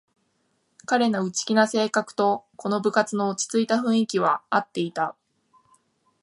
彼の内気な性格とこの部活の落ちついた雰囲気はあっていた